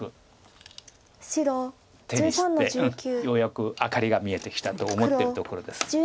ようやく明かりが見えてきたと思ってるところです。